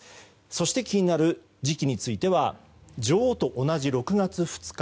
そして気になる時期については女王と同じ６月２日。